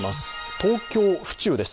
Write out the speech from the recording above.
東京・府中です。